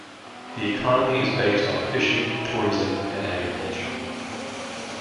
The economy is based on fishing, tourism and agriculture.